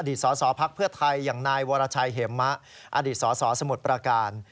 สสพักเพื่อไทยอย่างนายวรชัยเหมะอดีตสสสมุทรประการ